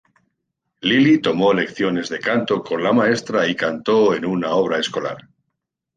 Lily tomó lecciones de canto con la maestra y cantó en una obra escolar.